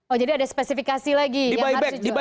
oh jadi ada spesifikasi lagi yang harus dijual